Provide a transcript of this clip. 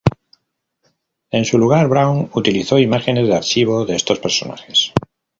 En su lugar, Braun utilizó imágenes de archivo de estos personajes.